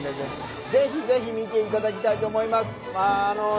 ぜひ見ていただきたいと思います。